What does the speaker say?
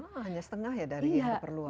oh hanya setengah ya dari yang diperluan